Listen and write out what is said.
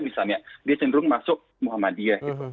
misalnya dia cenderung masuk muhammadiyah